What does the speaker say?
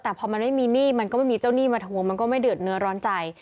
แต่พอมันไม่มีหนี้มันก็ไม่มีเจ้าหนี้มาทวงมันก็ไม่เดือดเนื้อร้อนใจ